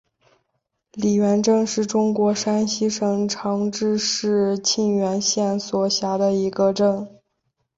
李元镇是中国山西省长治市沁源县所辖的一个镇。